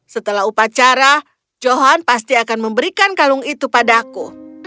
setelah upacara johan pasti akan memberikan kalung itu padaku